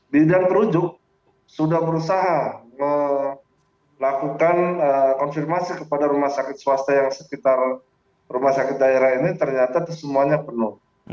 di dan terujuk sudah berusaha melakukan konfirmasi kepada rumah sakit swasta yang sekitar rumah sakit daerah ini ternyata semuanya penuh